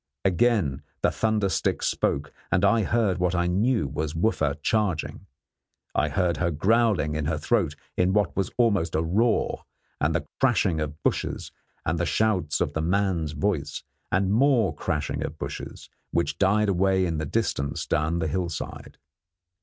Again the thunder stick spoke, and I heard what I knew was Wooffa charging. I heard her growling in her throat in what was almost a roar, and the crashing of bushes and the shouts of the man's voice, and more crashing of bushes, which died away in the distance down the hillside.